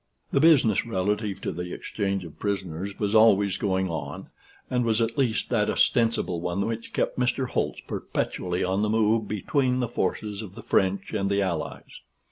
The business relative to the exchange of prisoners was always going on, and was at least that ostensible one which kept Mr. Holtz perpetually on the move between the forces of the French and the Allies.